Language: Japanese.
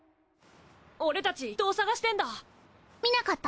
俺たち人を探してんだ見なかった？